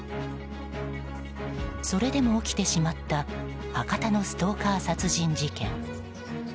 それでも起きてしまった博多のストーカー殺人事件。